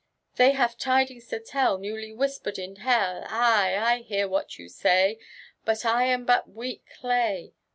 They have tidings to tell, T^ewly whisper'd in hell ! Ay I— I hear what you say ; But I am but weak clay.